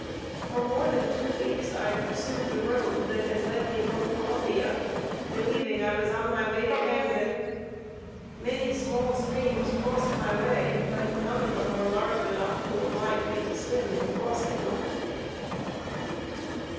For more than two weeks I pursued the road that had led me from Columbia, believing I was on my way to Camden. Many small streams crossed my way, but none of them were large enough to oblige me to swim in crossing them.